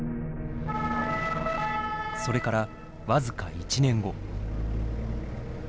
それから僅か１年後。